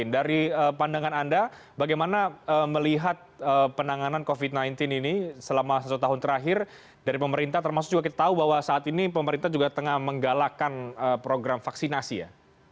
dari pandangan anda bagaimana melihat penanganan covid sembilan belas ini selama satu tahun terakhir dari pemerintah termasuk juga kita tahu bahwa saat ini pemerintah juga tengah menggalakkan program vaksinasi ya